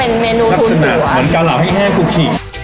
เหมือนเกาเหลาให้แห้งคุกกี้